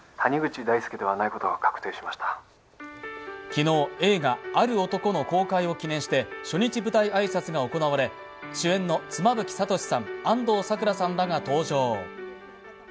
昨日、映画「ある男」の公開を記念して初日舞台挨拶が行われ、主演の妻夫木聡さん、安藤サクラさんらが登場。